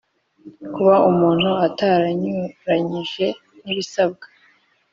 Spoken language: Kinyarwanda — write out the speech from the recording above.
kuba umuntu ataranyuranyije n ibisabwa